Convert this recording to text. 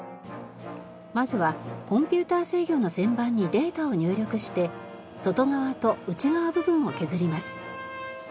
まずはコンピューター制御の旋盤にデータを入力して外側と内側部分を削ります。